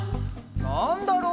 「なんだろう？」